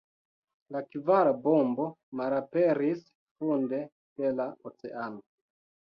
La kvara bombo malaperis funde de la oceano.